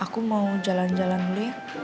aku mau jalan jalan dulu ya